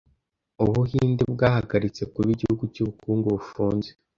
ubuhinde bwahagaritse kuba igihugu cy’ubukungu bufunze